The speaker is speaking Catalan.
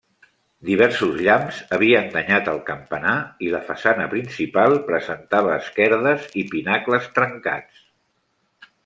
Diversos llamps havien danyat el campanar i la façana principal presentava esquerdes i pinacles trencats.